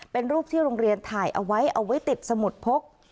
เป็นรูปที่โรงเรียนถ่ายเอาไว้เอาไว้ติดสมุดพก